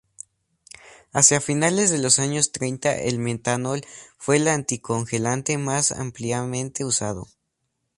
Hacia finales de los años treinta el metanol fue el anticongelante más ampliamente usado.